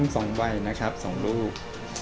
สองว่ายนะครับสองรูป